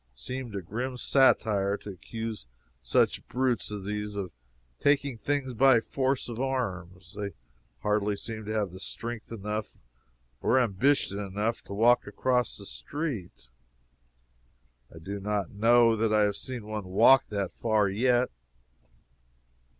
It seemed a grim satire to accuse such brutes as these of taking things by force of arms. They hardly seemed to have strength enough or ambition enough to walk across the street I do not know that I have seen one walk that far yet.